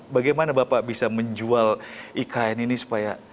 bagaimana bapak bisa menjual ikn ini supaya